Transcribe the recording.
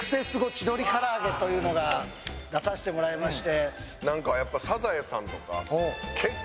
千鳥のからあげというのを出させてもらいまして。